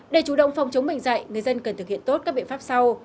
để chủ động phòng chống bệnh dạy người dân cần thực hiện tốt các biện pháp sau